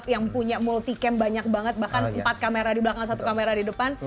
yang punya multi camp banyak banget bahkan empat kamera di belakang satu kamera di depan